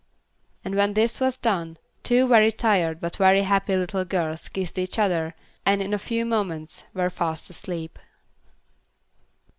And when this was done, two very tired, but very happy, little girls kissed each other, and in a few moments were fast asleep.